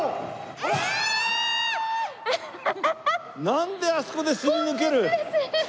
なんであそこですり抜ける？